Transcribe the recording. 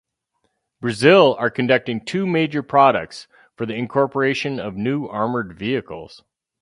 Brazil are conducting two major projects for the incorporation of new armoured vehicles.